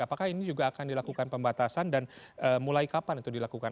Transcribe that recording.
apakah ini juga akan dilakukan pembatasan dan mulai kapan itu dilakukan